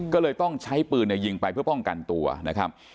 ก็เลยต้องใช้ปืนยิงไปเพื่อป้องกันตัวนะครับ